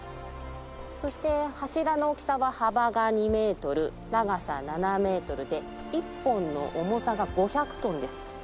そして柱の大きさは幅が２メートル長さ７メートルで１本の重さが５００トンです。